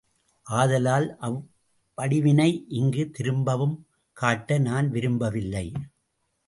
ஆதலால் அவ்வடிவினை இங்கு திரும்பவும் காட்ட நான் விரும்பவில்லை.